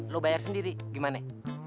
lo bayar sendiri gimana